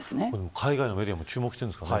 海外のメディアも注目しているんですかね。